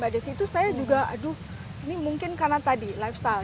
di situ saya juga aduh ini mungkin karena tadi lifestyle